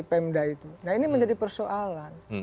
pemda itu nah ini menjadi persoalan